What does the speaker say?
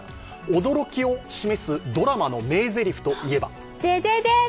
驚きの示すドラマの名ゼリフといえば？